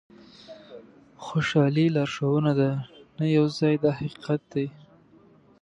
خوشالي لارښوونه ده نه یو ځای دا حقیقت دی.